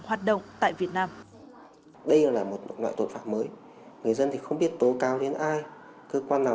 hoạt động tại việt nam đây là một loại tội phạm mới người dân thì không biết tố cao đến ai cơ quan nào